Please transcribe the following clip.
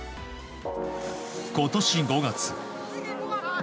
今年５月。